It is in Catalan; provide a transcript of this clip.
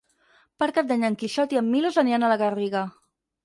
Per Cap d'Any en Quixot i en Milos aniran a la Garriga.